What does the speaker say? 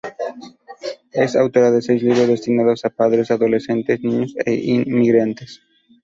Es autora de seis libros destinados a padres, adolescentes, niños e inmigrantes.